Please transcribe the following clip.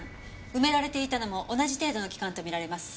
埋められていたのも同じ程度の期間とみられます。